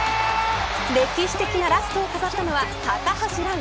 歴史的なラストを飾ったのは高橋藍。